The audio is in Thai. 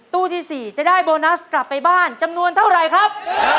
ตู้ที่๔จะได้โบนัสกลับไปบ้านจำนวนเท่าไหร่ครับ